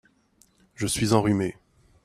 Je suis enrhumé.